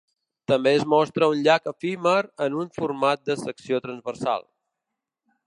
També es mostra un llac efímer en un format de secció transversal.